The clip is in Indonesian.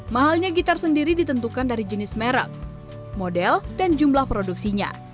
mahalnya gitar sendiri ditentukan dari jenis merek model dan jumlah produksinya